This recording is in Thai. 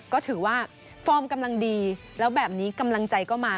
ก็ถือว่าฟอร์มกำลังดีแล้วแบบนี้กำลังใจก็มา